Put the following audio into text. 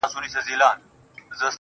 له هغې وروسته دا سيمه د شاه او عروس